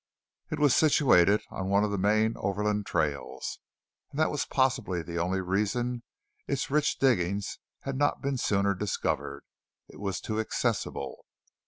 It was situated on one of the main overland trails, and that was possibly the only reason its rich diggings had not been sooner discovered it was too accessible!